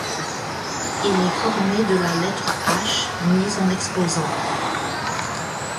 Il est formé de la lettre h mise en exposant.